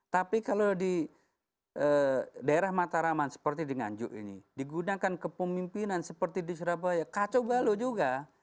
tapi kalau di daerah mataraman seperti di nganjuk ini digunakan kepemimpinan seperti di surabaya kacau balu juga